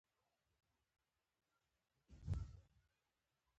موږ هوټل ته ورننوتلو.